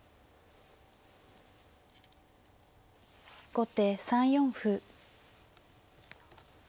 後手３四歩。